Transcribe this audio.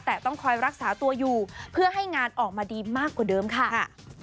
แต่ต้องคอยรักษาตัวอยู่เพื่อให้งานออกมาดีมากกว่าเดิมค่ะ